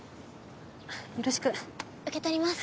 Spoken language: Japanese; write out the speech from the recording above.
よろしく。受け取ります。